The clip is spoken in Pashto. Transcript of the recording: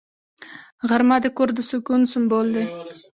غرمه د کور د سکون سمبول دی